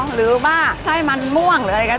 หรือว่าไส้มันม่วงหรืออะไรกัน